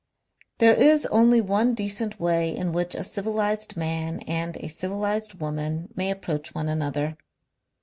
"There is only one decent way in which a civilized man and a civilized woman may approach one another.